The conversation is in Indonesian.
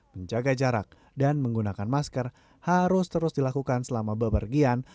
menjaga jarak dan menggunakan masker harus terus dilakukan selama bepergian